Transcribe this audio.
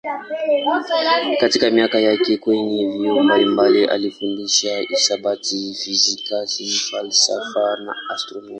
Katika miaka yake kwenye vyuo mbalimbali alifundisha hisabati, fizikia, falsafa na astronomia.